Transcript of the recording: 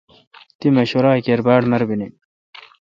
تی مشورہ کیر باڑ مربینی۔